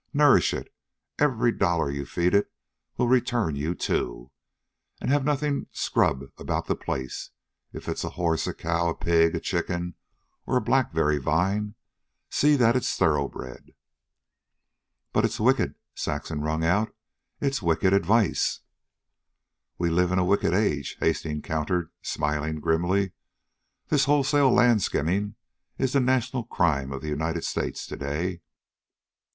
Nourish it. Every dollar you feed it will return you two. And have nothing scrub about the place. If it's a horse, a cow, a pig, a chicken, or a blackberry vine, see that it's thoroughbred." "But it's wicked!" Saxon wrung out. "It's wicked advice." "We live in a wicked age," Hastings countered, smiling grimly. "This wholesale land skinning is the national crime of the United States to day.